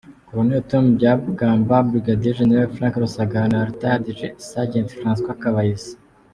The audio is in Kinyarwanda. Col. Tom Byabagamba, Brig Gen. Frank Rusagara na Rtd Sgt Francois Kabayiza